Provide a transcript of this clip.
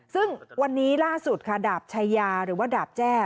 ซึ่งวันนี้ล่าสุดค่ะดาบชายาหรือว่าดาบแจ้